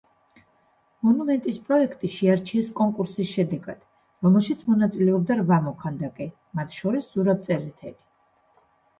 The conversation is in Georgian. მონუმენტის პროექტი შეარჩიეს კონკურსის შედეგად, რომელშიც მონაწილეობდა რვა მოქანდაკე, მათ შორის ზურაბ წერეთელი.